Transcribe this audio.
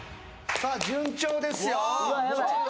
さあ順調ですようわっ